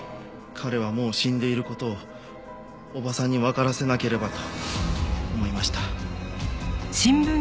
彼はもう死んでいる事をおばさんにわからせなければと思いました。